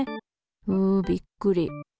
うびっくり。